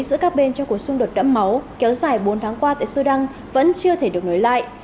giữa các bên trong cuộc xung đột đẫm máu kéo dài bốn tháng qua tại sudan vẫn chưa thể được nối lại